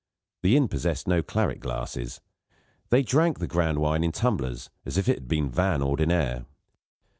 The inn possessed no claret glasses; they drank the grand wine in tumblers as if it had been vin ordinaire.